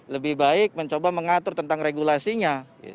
lebih baik mencoba mengatur tentang regulasinya